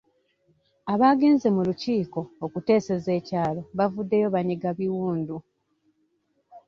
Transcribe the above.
Abagenze mu lukiiko okuteeseza ekyalo bavuddeyo banyiga biwundu.